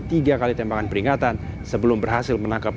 tiga kali tembakan peringatan sebelum berhasil menangkap